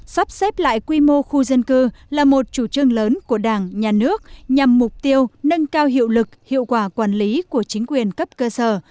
sắp xếp lại quy mô khu dân cư là một chủ trương lớn của đảng nhà nước nhằm mục tiêu nâng cao hiệu lực hiệu quả quản lý của chính quyền cấp cơ sở